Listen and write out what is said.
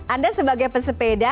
anda sebagai pesepeda